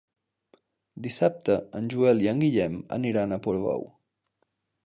Dissabte en Joel i en Guillem aniran a Portbou.